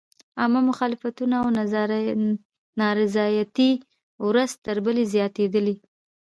عامه مخالفتونه او نارضایتۍ ورځ تر بلې زیاتېدلې.